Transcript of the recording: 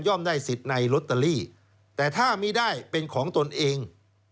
ได้สิทธิ์ในลอตเตอรี่แต่ถ้าไม่ได้เป็นของตนเอง